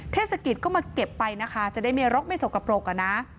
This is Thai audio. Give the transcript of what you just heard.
เทศกิจก็มาเก็บไปนะคะจะได้มีรกไม่สกปรกอะนะ